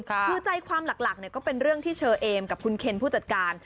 คือใจความหลักก็เป็นเรื่องที่เชอเอมกับคุณเคนผู้จัดการ